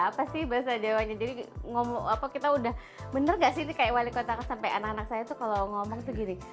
apa sih bahasa jawanya jadi kita udah bener gak sih ini kayak wali kota sampai anak anak saya tuh kalau ngomong tuh gini